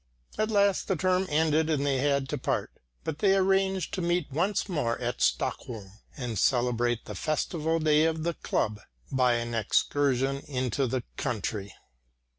At last the term ended and they had to part, but they arranged to meet once more at Stockholm, and celebrate the festival day of the club by an excursion into the country.